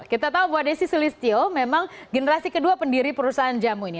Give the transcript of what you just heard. kita tahu bahwa desi sulistyo memang generasi kedua pendiri perusahaan jamu ini